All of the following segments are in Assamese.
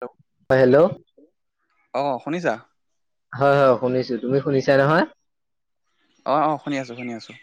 হেল্ল' অ, হেল্ল', অ, শুনিছা? হয়-হয় শুনিছোঁ তুমি শুনিছা নহয়? অ', অ', শুনি আছোঁ- শুনি আছোঁ।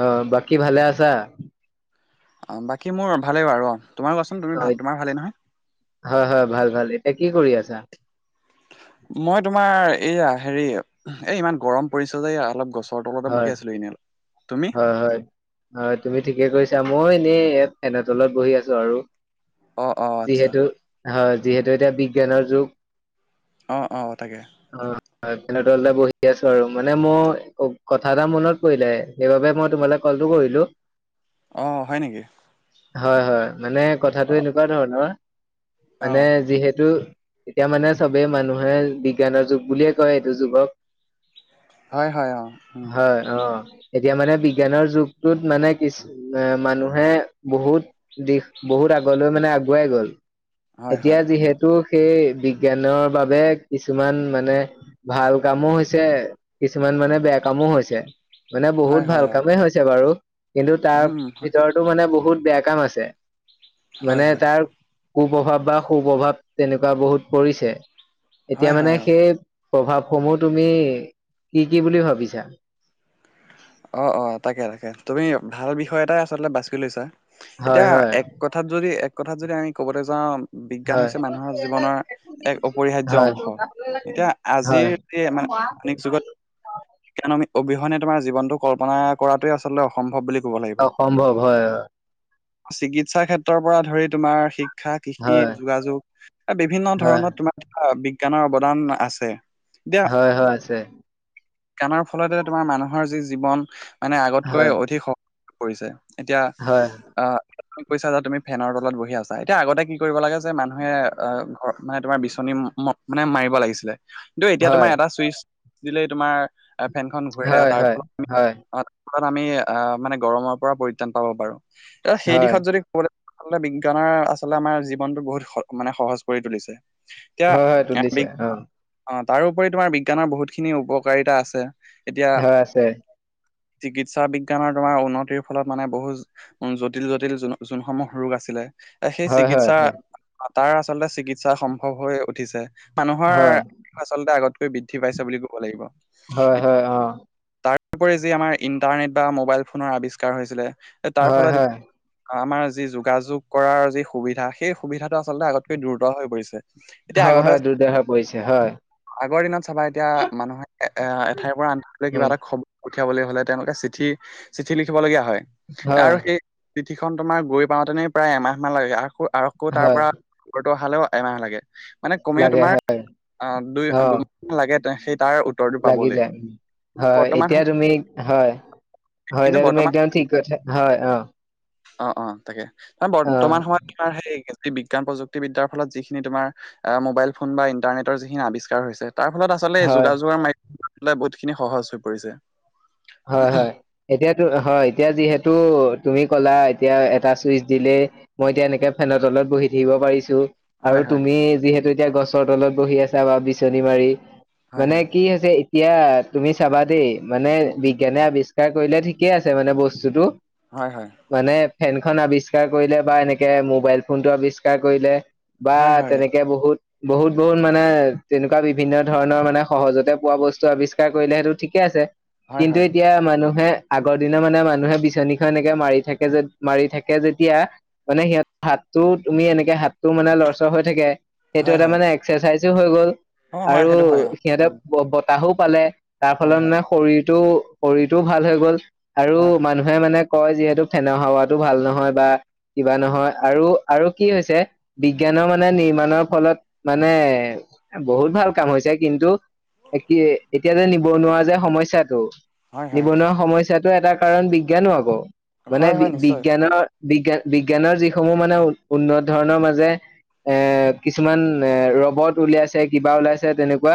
অ, বাকি ভালে আছা? অ, বাকী মোৰ ভালেই বাৰু অ, তোমাৰ কোৱাচোন অ তুমি ভা তোমাৰ ভালেই নহয়? হয় -হয়, ভাল- ভাল এতিয়া কি কৰি আছা? মই তোমাৰ এইয়া হেৰি এ ইমান গৰম পৰিছ যে এয়া অলপ গছ [unintelligible] তলতে হয় বহি আছিলোঁ এনে [unintelligible] তুমি? হয় হয় হয় তুমি ঠিকে কৈছা মইও এনেই ফেণৰ তলত বহি আছো আৰু। অ', অ', আচ্ছা। যিহেতু হয় যিহেতু এতিয়া বিজ্ঞানৰ যুগ অ', অ', তাকে। অ, হয় ফেনতললে বহি আছো আৰু মানে মই কথা এটা মনত পৰিলে সেইবাবে মই তোমালে ক'লটো কৰিলোঁ। অ, হয় নেকি? হয়-হয় মানে কথাটো অ', এনেকুৱা ধৰণৰ অ', মানে যিহেতু এতিয়া মানে চবেই মানুহে বিজ্ঞানৰ যুগ বুলিয়ে কয় এইটো যুগক হয়- হয় অ, উম, হয় অ, এতিয়া মানে বিজ্ঞানৰ যুগটোত মানে কিছ [unintelligible] মানুহে বহুত দিশ বহুত আগলৈ মানে আগুৱাই গ'ল। হয়, এতিয়া হয়, যিহেতু সেই বিজ্ঞানৰ বাবে কিছুমান মানে ভাল কামো হৈছে কিছুমান মানে বেয়া কামো হৈছে মানে বহুত হয়, ভাল হয়, অ', কামেই হৈছে বাৰু কিন্তু তাৰ উম, হয়, ভিতৰত টো মানে বহুত বেয়া কাম হৈছে হয়, মানে হয়, তাৰ কু- প্ৰভাৱ বা সু- প্ৰভাৱ তেনেকুৱা বহুত পৰিছে এতিয়া হয়, মানে হয়, অ', সেই প্ৰভাৱসমূহ তুমি কি- কি বুলি ভাবিছা? অ', অ', তাকে -তাকে তুমি ভাল বিষয় এটাই আচলতে বাছি লৈছা হয় এতিয়া হয় এক কথা থাত যদি এক কথাত যদি আমি ক'বলে যাম বিজ্ঞান হয়। হৈছে মানুহৰ জীৱনৰ এক অপৰিহাৰ্য হয়। অংশ এতিয়া আজিৰ [unintelligible] কাৰণ আমি অবিহনে তোমাৰ জীৱনটো কল্পনা কৰাতোৱে [unintelligible] আচলতে অসম্ভৱ বুলি ক'ব লাগিব। অসম্ভৱ হয়, চিকিৎসাৰ ক্ষেত্ৰৰ পৰা ধৰি তোমাৰ শিক শিক্ষা, কৃষি, হয়, যোগাযোগ এ বিভিন্ন হয়, ধৰণৰ অ, তোমাৰ বিজ্ঞানৰ অৱদান আছে। এতিয়া হয়-হয় আছে। বিজ্ঞানৰ ফলতে তোমাৰ মানুহৰ যি জীৱন মানে আগতকৈ হয়, অধিক শক পৰিছে এতিয়া হয়, আহ তুমি কৈছা যে তুমি ফেনৰ তলত বহি আছা এতিয়া আগতে কি কৰিব লাগে যে মানুহে আহ, মানে তোমাৰ বিচনী ম -মানে মাৰিব লাগিছিলে কিন্তু এতিয়া তোমাৰ হয়, এটা চুইচ দিলেই তোমাৰ এ ফেনখন হয়-হয়-হয়। অ, তাৰ ফলত আমি আহ মানে গৰমৰ পৰা পৰিত্ৰাণ পাব পাৰো ত' সেই হয়, দিশত যদি [unintelligible] আচলতে বিজ্ঞানৰ আচলতে আমাৰ জীৱনটো বহুত স মানে সহজ কৰি তুলিছে। হয়, হয়, এতিয়া তুলিছে অ', [unintelligible] অ, তাৰোপৰি তোমাৰ বিজ্ঞানৰ বহুতখিনি উপকাৰিতা আছে। এতিয়া হয় আছে। চিকিৎসা বিজ্ঞানৰ তোমাৰ উন্নতিৰ ফলত মানে বহুত উম, জটিল জটিল যোনসমূহ ৰোগ আছিলে। এ, সেই হয়, হয়, চিকিৎসা হয়, তাৰ আচলতে চিকিৎসা সম্ভৱ হৈ উঠিছে। মানুহৰ হয়, আচলতে আগতকৈ বৃদ্ধি পাইছে বুলি ক'ব লাগিব। হয়, হয়। অ', তাৰোপৰি যি আমাৰ ইন্টাৰনেট বা মোবাইল ফোনৰ আৱিষ্কাৰ হৈছিলে তাৰ হয়, ফলত হয়, আমাৰ যি যোগাযোগ কৰাৰ যি সুবিধা সেই সুবিধাটো আচলতে আগতকৈ দ্ৰুত হৈ পৰিছে। এতিয়া হয়, আগতে হয় দ্ৰুত হৈ পৰিছে। হয়। আগৰ দিনত চাবা এতিয়া মানুহে এ এঠাইৰ পৰা আনঠাইলৈ উম, কিবা এটা খব পঠিয়াবলৈ হ'লে তেওঁলোকে চিঠি চিঠি লিখিবলগীয়া হয়। হয়, আৰু সেই চিঠিখন তোমাৰ গৈ পাওঁতেনেই প্ৰায় এমাহ মান লাগে আকৌ আকৌ তাৰ হয়, পৰা উত্তৰ তো অহালেও এমাহ লাগে। মানে কমেও লাগে তোমাৰ হয়, আহ দুই অ', দুমাহ লাগে সেই তাৰ। উত্তৰটো লাগি পাবলৈ। যায় হয়। বৰ্তমান এতিয়া সময়ত তুমি হয়, হয় কিন্তু এতিয়া তুমি বৰ্তমান একদম ঠিক কথাই, হয় অ। অ, অ তাকে ত অ', বৰ্তমান সময়ত তাৰ সেই বিজ্ঞান প্ৰযুক্তিবিদ্যাৰ ফলত যিখিনি তোমাৰ আ মোবাইল ফোন বা ইণ্টাৰনেটৰ যিখিনি আৱিষ্কাৰ হৈছে তাৰ ফলত আচলতে হয়। যোগাযোগৰ মাধ্যমেৰে বহুতখিনি সহজ হৈ পৰিছে হয় হয় এতিয়া হয় এতিয়া যিহেতু তুমি ক'লা এতিয়া এটা চুইচ দিলে মই এতিয়া এনেকে ফেনৰ তলত বহি থাকিব পাৰিছো। আৰু হয় হয় তুমি যিহেতু এতিয়া গছৰ তলত বহি আছা বা বিচনী মাৰি হয় মানে হয় কি হৈছে এতিয়া তুমি চাবা দেই মানে উম উম বিজ্ঞানে আবিষ্ কাৰ কৰিলে ঠিকে আছে মানে বস্তুতটো। হয়, হয়। মানে ফেনখন আৱিষ্কাৰ কৰিলে বা এনেকে মোবাইল ফোন টো আৱিষ্কাৰ কৰিলে বা হয় হয় তেনেকে বহুত বহুত বহুত মানে তেনেকুৱা বিভিন্ন ধৰণৰ মানে সহজতে পোৱা বস্তু আৱিষ্কাৰ কৰিলে সেইটো ঠিকেই আছে হয় কিন্তু হয় এতিয়া মানুহে আগৰ দিনা মানে মানুহে বিচনীখন এনেকে মাৰি থাকে যে মাৰি থাকে যেতিয়া মানে সিহঁত হাতটো তুমি এনেকে হাতটো মানে লৰচৰ হৈ থাকে সেইটো হয় এটা হয় মানে এক্সাৰচাইজো হৈ গ'ল অ হয় আৰু সেইটো হয় অ সিহঁতে উম ব বত তাহো পালে তাৰ হয় ফলত হয় মানে শৰীৰটো শৰীৰটোও ভাল হৈ গ'ল আৰু হয় হয় মানুহ মানুহে মানে কয় যিহেতু ফেনৰ হাৱাতো ভাল নহয় বা কিবা নহয় আৰু আৰু কি হৈছে বিজ্ঞানৰ মানে নিৰ্মাণৰ ফলত মানে বহুত ভাল কাম হৈছে কিন্তু এ কি এতিয়া যে নিবনুৱা যে সমস্যা টো হয় হয় নিবনুৱা সমস্যটো এটা কাৰণ বিজ্ঞানো হ'ব মানে হয় বি হয় নিশ্চয় বিজ্ঞানৰ বিজ্ঞান বিজ্ঞানৰ যিসমূহ মানে উ উন্নত ধৰণৰ মাজে এ কিছুমান এ ৰবত উলিয়াইছে কিবা ওলাইছে তেনেকুৱা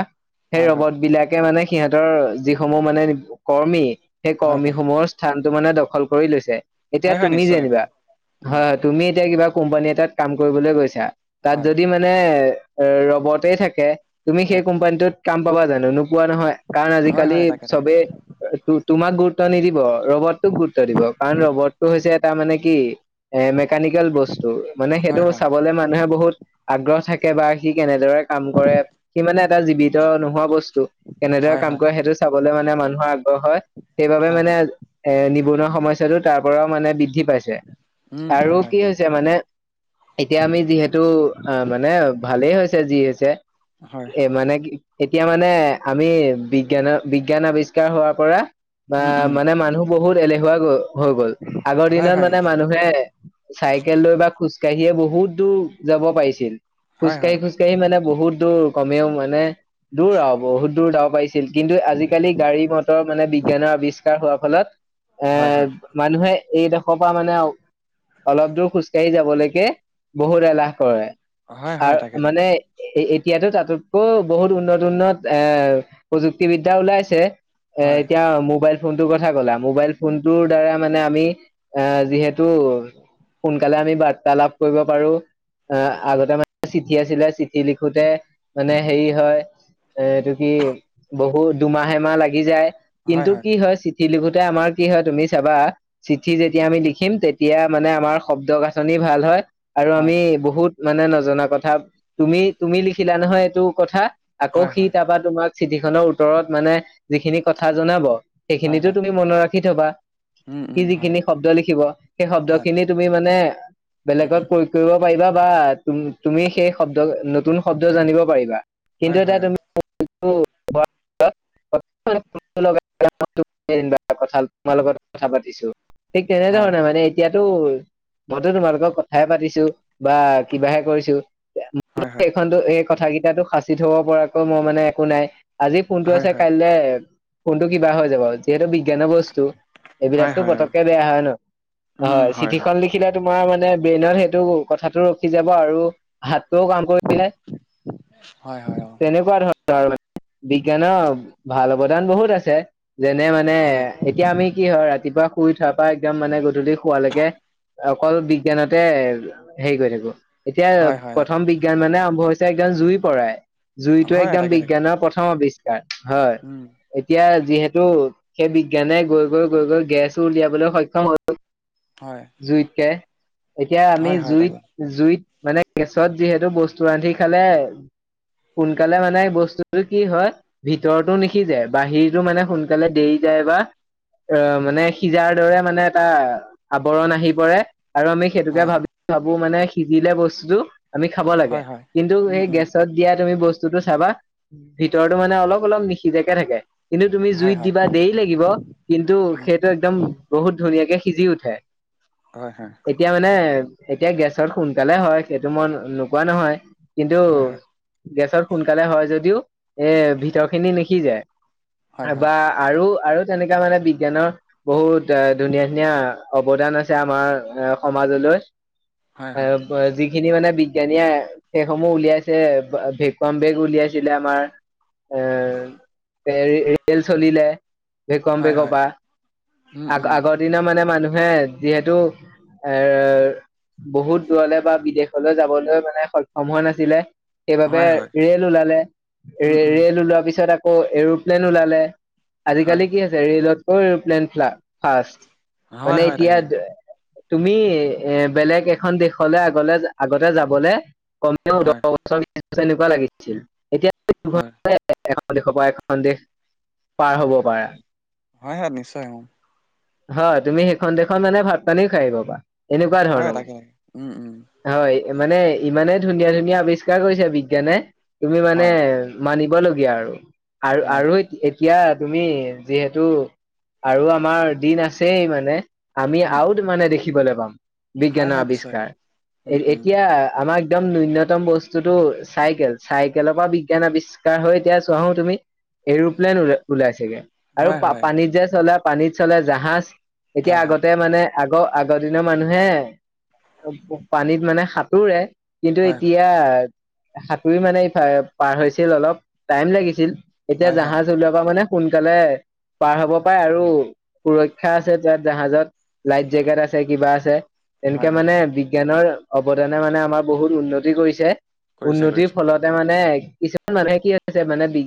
সেই হয় হয় ৰবত বিলাকে মানে সিহঁতৰ যিসমূহ মানে কৰ্মী সেই হয় কৰ্মী হয় সমূহৰ স্থানটো মানে দখল কৰি লৈছে এতিয়া হয় হয় তুমি নিশ্চয় যেনিবা উম উম হাত তুমি এতিয়া কিবা কোম্পানী এটাত কাম কৰিবলৈ গৈছা তাত হয় যদি মা নে ৰবটেই থাকে তুমি সেই হয় কোম্পানীটোত কাম পাবা জানো নোপোৱা নহয় কাৰণ হয় আজিকালি হয় তাকে তাকে চবেই তোমাক গুৰুত্ব নিদিব ৰবটটোক গুৰুত্ব দিব কাৰণ ৰবটটো হৈছে এটা মানে কি এ মেকানিকেল বস্তু মানে সেইটো হয় হয় চাবলে মানুহে বহুত আগ্ৰহ থাকে বা সি কেনেদৰে কাম কৰে সি মানে এটা জীৱিত নোহোৱা বস্তু কেনেদৰে হয় কাম হয় কৰে সেইটো চাবলে মানে মানুহৰ আগ্ৰহ হয় সেইবাবে হয় মানে, হয় এৰ নিবনুৱা সমস্যাটো তাৰ পৰাও মানে বৃদ্ধি পাইছে উম হয় আৰু হয় কি হৈছে মানে। এতিয়া আমি যিহেতু অ মানে ভালেই হৈছে যি হৈছে। হয় এ মানে কি এতিয়া মানে আমি বিজ্ঞানত বিজ্ঞান আৱিষ্কাৰ হোৱাৰ পৰা বা উম উম মানে মানুহ বহুত এলেহুৱা গৈ হৈ গ'ল আগৰ হয় দিনত হয় মানে সেইটো হয় মানুহে। চাইকেল লৈ বা খোজকাঢ়িয়ে বহুত দূৰ যাব পাৰিছিল হয় খোজকাঢ়ি হয় খোজকাঢ়ি, এই মানে বহুত দূৰ কমেও মানে দূৰ আৰু বহুত দূৰ যাব পাৰিছিল কিন্তু, আজিকালি গাড়ী মটৰ মানে বিজ্ঞানৰ আৱিষ্কাৰ হোৱাৰ ফলত এ, হয় হয় মানুহে এই দেশৰ পৰা মানে আও, অলপ দূৰ খোজ কঢ়ি যাবলৈকে বহুত এলাহ কৰে হয় হয় আৰু তাকে তাকে মানে এতিয়াতো তাতোতকৈ বহুত উন্নত উন্নত এ প্ৰযুক্তিবিদ্যা ওলাইছে। এ হয় এতিয়া মোবাইল ফোনটোৰ কথা ক'লা মোবাইল ফোনটোৰ দ্বাৰা মানে আমি এ যিহেতু, সোনকালে আমি বাৰ্তা লাভ কৰিব পাৰো। এ আগতে মানে চিঠি আছিলে চিঠি লিখোতে মানে হেৰি হয়। এ এইটোটো কি বহুত দুমাহ এমাহ লাগি যায় কিন্তু কি হয় চি শিলিভুতে আমাৰ কি হয় তুমি চাবা। চিঠি যেতিয়া আমি লিখিম তেতিয়া মানে আমাৰ শব্দ গাঁঠনি ভাল হয়। আৰু হয় আমি বহুত মানে নজনা কথা তুমি তুমি লিখিলা নহয় এইটো কথা। আকৌ হয় সি হয় তাৰপা তোমাক চিঠিখনৰ উত্তৰত মানে যিখিনি কথা জনাব। হয় সেইখিনিতো হয় তুমি মনত ৰাখি থবা উম সি উম হয় যিখিনি শব্দ লিখিব সেই হয় শব্দখিনিত, তুমি মানে বেলেগত প্ৰয়োগ কৰিব, পাৰিবা বা তুমি সেই শব্দ নতুন শব্দ জানিব পাৰিবা কিন্তু হয় এতি হয় অ তুমি। [unintelligible] কথা পাতিছো ঠিক তেনেধৰণে মানে, এতিয়াতো মইতো তোমালোকৰ কথাই পাতিছো বা কিবাহে কৰিছো। হয় হয় সেইখনতো এই কথাকেইটাটো সাঁচি থব পৰাকৈ মই মানে একো নাই। আজি ফোনটো হয় আছে হয় কাইলৈ ফোনটো কিবা হৈ যাব যিহেতু বিজ্ঞানৰ বস্তু, হয় এইবিলাকতো হয় হয় অ পতককে বেয়া হয় ন হয় চিঠিখন লি তিয়া তোমাৰ মানে ব্ৰেইনত সেইটো কথাটো ৰখিযাব আৰু হাতটোও কাম কৰি পিলাই। [inaudible] হয় হয় অ। তেনেকুৱা ধৰণৰ আৰু বিজ্ঞানৰ ভাল অৱদান বহুত আছে। যেনে মানে এতিয়া আমি কি হয় ৰাতিপুৱা শুই উঠাৰ পৰা একদম মানে গধূলি শুৱালৈকে। অকল বিজ্ঞানতে হেৰি কৰি থাকো। এতিয়া হয় হয় হয় প্ৰথম বিজ্ঞান মানে আৰম্ভ হৈছে একদম জুই পৰাই অ জুইতোৱে। হয় তাকে তাকে প্ৰথম আৱিষ্কাৰ হয়। উম এতিয়া যিহেতু সেই বিজ্ঞানে গৈ গৈ গৈ গেছো উলিয়াবলৈ সক্ষম হৈছে। হয় জুইতকে এতিয়া আমি হয় হয় জুইত, তাকে জুইত মানে গেছত যিহেতু বস্তু ৰান্ধি খালে সোনকালে মানে, বস্তুটো কি হয় ভিতৰতো নিসিজে বাহিৰতো মানে সোনকালে দেৰি যায় বা। অ মানে সিজাৰ দৰে মানে এটা আৱৰণ আহি পৰে আৰু আমি। সেইটোকে হয় হয় ভাবি ভাবো মানে সিজিলে বস্তুতটো আমি খাব লাগে হয় হয় কিন্তু উম এই উম গেছত। যেতিয়া তুমি বস্তুতটো চাবা ভিতৰতো মানে অলপ অলপ নিসিজাকে থাকে। কিন্তু তুমি হয় জুইত হয় দিবা দেৰি লাগিব কিন্তু উম সেইটো একদম বহুত ধুনীয়াকে সিজি উঠে। হয় হয়। এতিয়া মানে এতিয়া গেছত সোনকালে হয় সেইটো মই নোকোৱা নহয়। কিন্তু হয় গেছত সোনকালে হয় যদিও এ ভিতৰ খিনি নিসিজে। হয় হয় বা আৰু - আৰু তেনেকা মানে বিজ্ঞানৰ বহুত ড- ধুনীয়া - ধুনীয়া অৱদান আছে আমাৰ অ'- সমাজলৈ। হয় হয় হয় অ'- যিখিনি মানে বিজ্ঞানীয়ে সেইসমূহ উলিয়াইছে, ভেকুৱাম বেগ উলিয়াই ছিলে আমাৰ, এ পেৰ- ৰেল চলিলে। ভেকুৱাম হয় বেগৰ হয় পৰা। উম উম আগ- আগৰ দিনৰ মানে মানুহে যিহেতু এ বহুত দূৰলৈ বা বিদেশলৈ যাবলৈ মানে সক্ষম হোৱা নাছিলে সেইবাবে হয় হয় ৰেল ওলালে। উম ৰে- উম ৰেল ওলোৱাৰ পিছত আকৌ এৰোপ্লেন ওলালে। হয় আজিকালি কি হৈছে, ৰেলতকৈ এৰোপ্লেন ফ্লা- ফাষ্ট। হয় মানে হয় এতিয়া তাকে তুমি এ বেলেগ এখন দেশলৈ আগলে- আগতে যাবলে, কমকে হয় দহ [unintelligible] এনেকুৱা লাগিছিল। হয় দুঘণ্টাতে এখন দেশৰ পৰা এখন দেশ পাৰ হব পাৰা। হয় - হয়, নিশ্চয় হম। হয়, তুমি সেইখন দেশত মানে ভাত-পানীও খাই আহিব পাৰা, এনেকুৱা হয় ধৰণৰ মানে। তাকে তাকে উম উম হয়, মানে ইমানে ধুনীয়া - ধুনীয়া আৱিষ্কাৰ কৰিছে বিজ্ঞানে, তুমি মানে হয় মানিবলগীয়া আৰু। আৰু - হয় আৰু এতি তিয়া তুমি যিহেতু আৰু আমাৰ দিন আছেই মানে, আমি উম উম আউট তো মানে দেখিবলৈ পাম হয় বিজ্ঞানৰ হয় নিশ্চয় আৱিষ্কাৰ। উম এ- উম এতিয়া আমাৰ একদম ন্যূনতম বস্তুটো চাইকেল, চাইকেলৰ পৰা বিজ্ঞান আৱিষ্কাৰ হৈ এতিয়া চোৱাহো তুমি এৰোপ্লেন উৰ- ওলাইচেগে। আৰু হয় পা- হয় পানীত যে চলে, পানীত চলে জাহাজ। এতিয়া হয় হয় আগতে মানে আগ- আগৰ দিনৰ মানুহে প- পানীত মানে সাঁতোৰে। কিন্তু হয় হয় এতিয়া সাঁতুৰি মানে ইফালে পাৰ হৈছিল অলপ, টাইম লাগিছিল। এতিয়া হয় হয় জাহাজ ওলোৱাৰ পৰা মানে সোনকালে পাৰ হব পাৰে আৰু সুৰক্ষা আছে তাত জাহাজত, লাইফ জেকেট আছে, কিবা আছে। হয় তেনকে হয় মানে বিজ্ঞানৰ অৱদানে মানে আমাৰ বহুত উন্নতি কৰিছে। কৰিছে উন্নতিৰ কৰিছে ফলত তে মানে কিছুমান মানুহে কৰিছে হৈছে মানে বি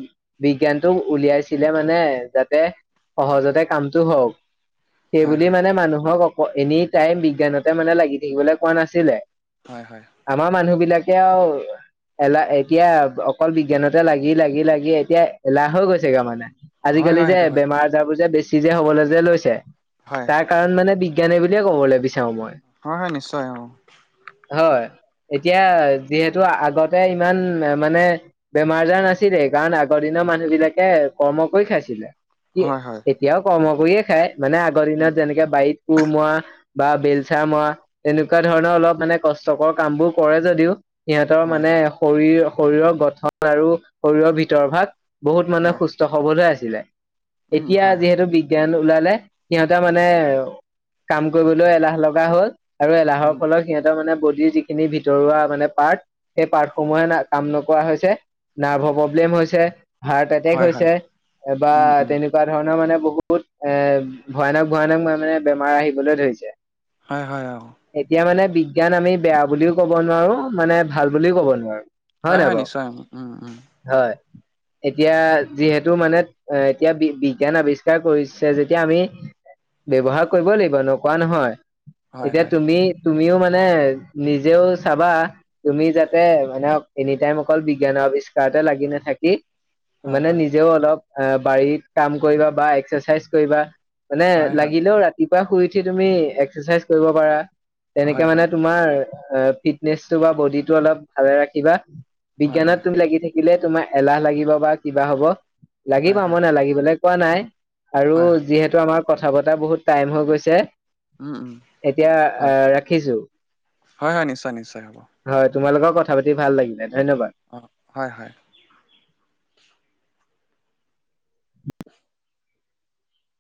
বিজ্ঞানটোক উলিয়াইছিলে মানে, যাতে সহজতে কাম টো হওঁক। হয় সেইবুলিয়ে হয় মানে মানুহক অ' এনি টাইম বিজ্ঞানতে মানে লাগি থাকিবলৈ কোৱা নাছিলে। হয় - হয়। আমাৰ মানুহবিলাকে আও এলাহ এতিয়া অকল বিজ্ঞানতে লাগি - লাগি - লাগি এতিয়া এলাহ হৈ গৈছেগে মানে। হয় আজিকালি হয় যে সেইটো হয় বেমাৰ-আজাৰবোৰ যে বেছি যে হবলৈ যে লৈছে, হয়। তাৰ কাৰণ মানে বিজ্ঞানে বুলিয়ে কবলে বিচাৰো মই। হয় - হয়, নিশ্চয় অ'। হয়, এতিয়া যিহেতু আগতে ইমান মানে বেমাৰ-আজাৰ নাছিলেই, কাৰণ আগৰ দিনৰ মানুহবিলাকে কৰ্ম কৰি খাইছিলে। কি হয় হয় এতিয়াও কৰ্ম কৰিয়ে খায়, মানে আগৰ উম দিনত যেনেকে বাৰীত কোৰ মৰা বা বেলচা মৰা, তেনেকোৱা ধৰণৰ অলপ মানে কষ্টকৰ কামবোৰ কৰে যদিও সিহঁতৰ হয় মানে হয় শৰীৰ- শৰীৰৰ গঠন আৰু শৰীৰৰ ভিতৰ ভাগ বহুত মানে হয় হয় সুস্থ-সবল হৈ আছিলে। উম এতিয়া হয় হয় যিহে তু বিজ্ঞান ওলালে, সিহঁতে মানে কাম কৰিবলৈ এলাহ লগা হ'ল। আৰু এলাহৰ উম ফলত সিহঁত ৰ মানে বডিৰ যিখিনি ভিতৰুৱা মানে পাৰ্ট, সেই পাৰ্টসমূহে না- কাম নকৰা হৈছে। নাৰ্ভৰ প্ৰব্লেম হৈছে, হাৰ্ট এটেক হয় হয় হৈছে বা উম, উম, তেনেকুৱা ধৰণৰ মানে বহু বহুত এ ভয়ানক - ভয়ানক মানে বেমাৰ আহিবলৈ ধৰিছে। হয় - হয় আক'। এতিয়া মানে বিজ্ঞান আমি বেয়া বুলিও কব নোৱাৰো মানে ভাল বুলিও কব নোৱাৰো হয় নাই হয় বাৰু নিশ্চয় উম উম হয় এতিয়া যিহেতু মানে এতিয়া বি বিজ্ঞান আৱিষ্ আৱিষ্কাৰ কৰিছে যেতিয়া আমি ব্যৱহাৰ কৰিব লাগিব নকৱা নহয় হয়, এতিয়া হয়, তুমি তুমিও মানে নিজেও চাবা তুমি যাতে মানে এনি টাইম অকল বিজ্ঞানৰ আৱিষ্কাৰতে লাগি নাথাকি হয়, মানে হয়, নিজেও অলপ বাৰীত কাম কৰিবা বা এক্সাৰচাইজ কৰিবা মানে হয়, হয়, লাগিলেও ৰাতিপুৱা শুই উঠি তুমি এক্সাৰচাইজ কৰিব পাৰা হয়, তেনেকে হয়, মানে তোমাৰ ফিটনেচ বা বডিটো অলপ ভালে ৰাখিবা হয়, হয়, বিজ্ঞানত তুমি লাগি থাকি কিলে তোমাৰ এলাহ লাগিব বা কিবা হব হয়, লাগিবা হয়, মই নালাগিবলে কোৱা নাই আৰু হয়, হয়, যিহেতু আমাৰ কথা বতৰা বহুত টাইম হৈ গৈছে উম, উম, এতিয়া হয়, আহ ৰাখিছো হয়, হয়, নিশ্চয়, নিশ্চয় হ'ব, হয় তোমাৰ লগত কথা পাতি ভাল লাগিলে ধন্যবাদ অ হয় হয়